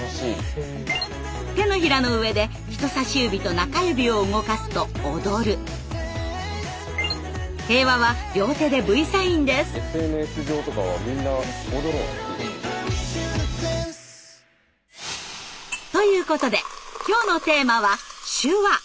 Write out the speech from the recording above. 手のひらの上で人さし指と中指を動かすと「平和」は両手でＶサインです。ということで今日のテーマは「手話」。